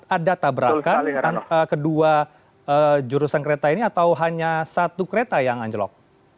ada tabrakan kedua jurusan kereta ini atau hanya satu kereta yang anjlok